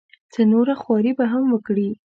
څه نوره خواري به هم وکړي.